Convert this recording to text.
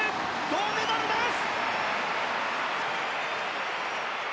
銅メダルです！